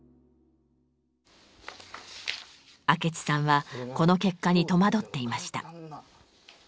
明智さんはこの結果に戸惑っていました。